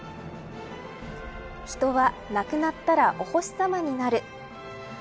人は亡くなったらお星さまになる。